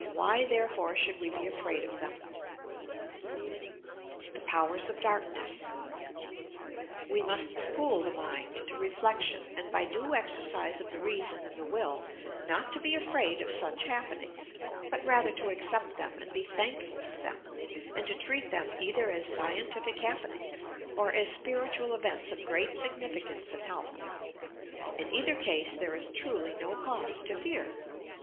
Why, there fore should we be afraid of them T TOE POWEBS OF DAKKNESS We must school the mind to reflection and, by due exercise of the reason and the will, not to be afraid of sueh happenings, but rather to accept them and be thankful for them, and to treat them either as scientific happenings or as spiritual events of great significance and help. In either case, there is truly no cause to fear.